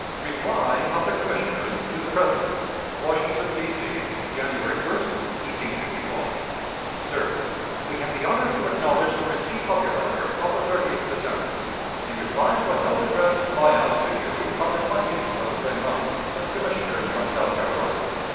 Reply of the Commissioners to the President. Washington, D.C., January 1, 1861. Sir: We have the honor to acknowledge the receipt of your letter of the 30th December, in reply to a note addressed by us to you on the 28th of the same month, as commissioners from South Carolina.